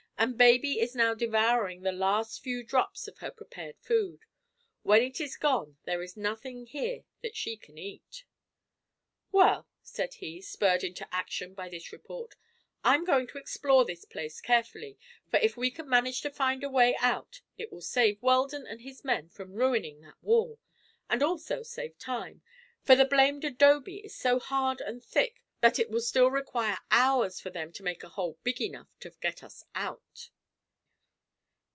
And baby is now devouring the last few drops of her prepared food. When it is gone there is nothing here that she can eat." "Well," said he, spurred to action by this report, "I'm going to explore this place carefully, for if we can manage to find a way out it will save Weldon and his men from ruining that wall, and also save time, for the blamed adobe is so hard and thick that it will still require hours for them to make a hole big enough to get us out."